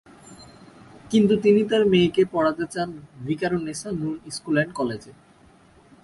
কিন্তু তিনি তাঁর মেয়েকে পড়াতে চান ভিকারুননিসা নূন স্কুল অ্যান্ড কলেজে।